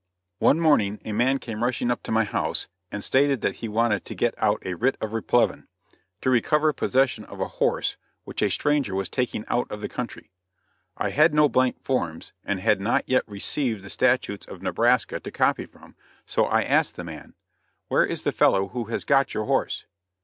One morning a man came rushing up to my house and stated that he wanted to get out a writ of replevin, to recover possession of a horse which a stranger was taking out of the country. I had no blank forms, and had not yet received the statutes of Nebraska to copy from, so I asked the man: "Where is the fellow who has got your horse?"